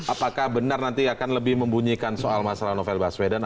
apakah benar nanti akan lebih membunyikan soal masalah novel baswedan